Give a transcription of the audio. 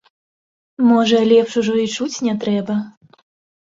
Можа, лепш ужо і чуць не трэба.